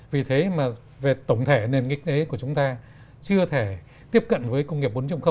vì thế mà về tổng thể nền kinh tế của chúng ta chưa thể tiếp cận với công nghiệp bốn